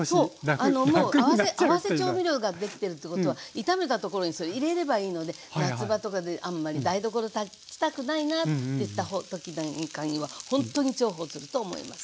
合わせ調味料ができてるってことは炒めたところにそれ入れればいいので夏場とかであんまり台所立ちたくないなって時なんかにはほんとに重宝すると思います。